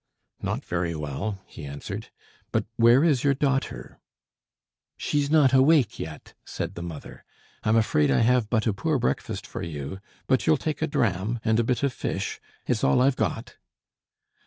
"Not very well," he answered. "But where is your daughter?" "She's not awake yet," said the mother. "I'm afraid I have but a poor breakfast for you. But you'll take a dram and a bit of fish. It's all I've got."